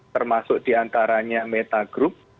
termasuk diantaranya metagroup